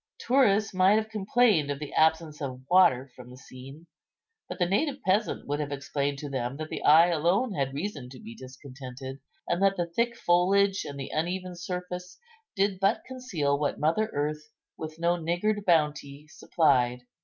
Tourists might have complained of the absence of water from the scene; but the native peasant would have explained to them that the eye alone had reason to be discontented, and that the thick foliage and the uneven surface did but conceal what mother earth with no niggard bounty supplied.